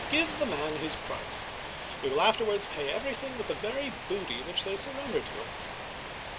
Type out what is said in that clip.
Give the man his price. We will afterwards pay everything with the very booty which they surrender to us